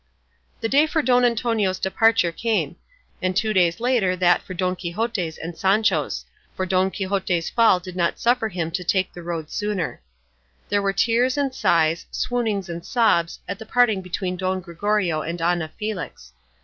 The day for Don Antonio's departure came; and two days later that for Don Quixote's and Sancho's, for Don Quixote's fall did not suffer him to take the road sooner. There were tears and sighs, swoonings and sobs, at the parting between Don Gregorio and Ana Felix.